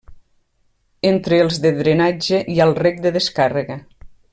Entre els de drenatge hi ha el Rec de Descàrrega.